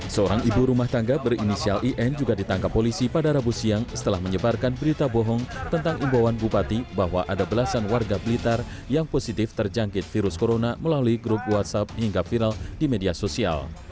seorang ibu rumah tangga berinisial in juga ditangkap polisi pada rabu siang setelah menyebarkan berita bohong tentang imbauan bupati bahwa ada belasan warga blitar yang positif terjangkit virus corona melalui grup whatsapp hingga viral di media sosial